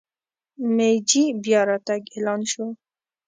مېجي بیا راتګ اعلان شو.